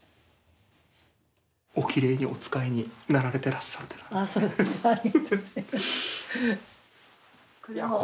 おきれいにお使いになられてらっしゃってます。